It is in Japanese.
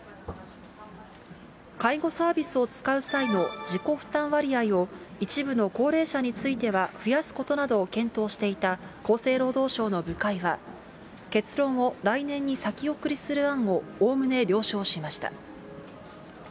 介護サービスを使う際の自己負担割合を、一部の高齢者については増やすことなどを検討していた厚生労働省の部会は、結論を来年に先送りする案をおおむね了承しました。